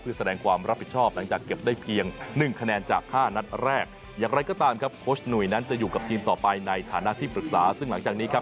เพื่อแสดงความรับผิดชอบหลังจากเก็บได้เพียงหนึ่งคะแนนจากห้านัดแรกอย่างไรก็ตามครับโค้ชหนุ่ยนั้นจะอยู่กับทีมต่อไปในฐานะที่ปรึกษาซึ่งหลังจากนี้ครับ